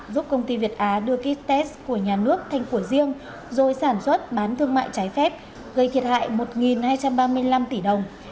giúp công ty việt á đưa ký test của nhà nước thành của riêng rồi sản xuất bán thương mại trái phép gây thiệt hại một hai trăm ba mươi năm tỷ đồng